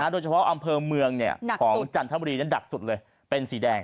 โดยเฉพาะอำเภอเมืองของจันทบุรีนั้นหนักสุดเลยเป็นสีแดง